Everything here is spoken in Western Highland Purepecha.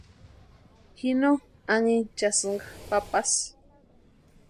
Ji no anhinchasïnka papasï.